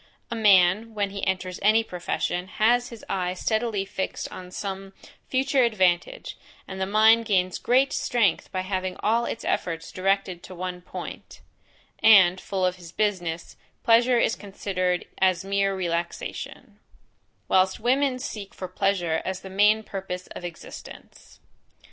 A man, when he enters any profession, has his eye steadily fixed on some future advantage (and the mind gains great strength by having all its efforts directed to one point) and, full of his business, pleasure is considered as mere relaxation; whilst women seek for pleasure as the main purpose of existence.